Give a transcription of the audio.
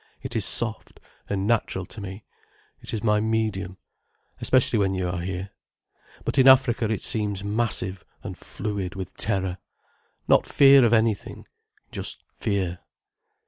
"It is soft, and natural to me, it is my medium, especially when you are here. But in Africa it seems massive and fluid with terror—not fear of anything—just fear.